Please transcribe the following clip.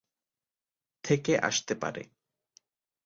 থেকে আসতে পারে!